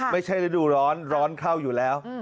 ไม่ใช่ฤดูร้อนร้อนเข้าอยู่แล้ว